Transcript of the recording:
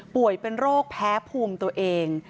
เป็นโรคแพ้ภูมิตัวเอง